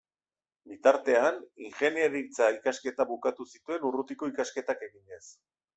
Bitartean, ingeniaritza ikasketak bukatu zituen urrutiko ikasketak eginez.